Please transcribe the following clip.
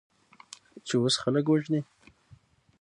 چې اوس خلک وژنې؟